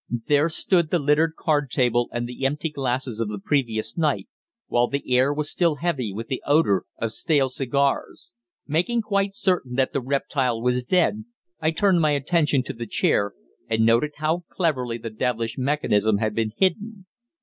There stood the littered card table and the empty glasses of the previous night, while the air was still heavy with the odour of stale cigars. Making quite certain that the reptile was dead, I turned my attention to the chair, and noted how cleverly the devilish mechanism had been hidden.